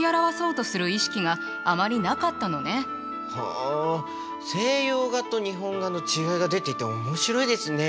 あ西洋画と日本画の違いが出ていて面白いですね。